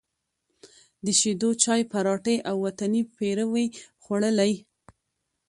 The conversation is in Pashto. د شېدو چای، پراټې او وطني پېروی خوړلی،